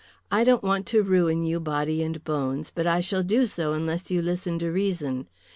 I don't want to ruin you body and bones, but I shall do so unless you listen to reason.